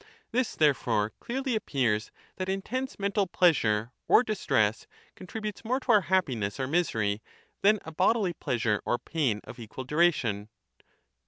This therefore clearly ap pears, that intense mental pleasure or distress con tributes more to our happiness or misery than a bodily pleasure or pain of equal duration.